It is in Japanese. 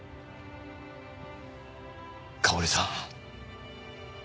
香織さん